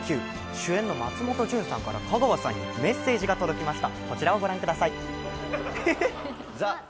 主演の松本潤さんから香川さんにメッセージが届きました。